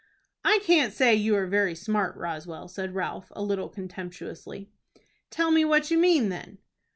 "I can't say you are very smart. Roswell," said Ralph, a little contemptuously. "Tell me what you mean, then."